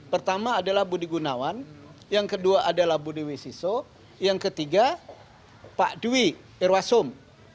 pertama adalah budi gunawan yang kedua adalah budi wisiso yang ketiga pak dwi irwasum